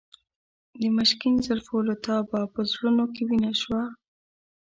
د مشکین زلفو له تابه په زړونو کې وینه شوه.